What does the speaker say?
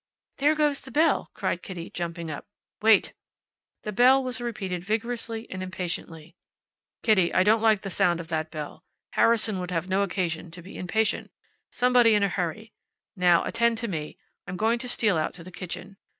"There goes the bell!" cried Kitty, jumping up. "Wait!" The ring was repeated vigorously and impatiently. "Kitty, I don't quite like the sound of that bell. Harrison would have no occasion to be impatient. Somebody in a hurry. Now, attend to me. I'm going to steal out to the kitchen.